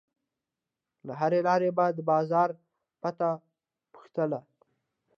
له هر لاروي به د بازار پته پوښتله.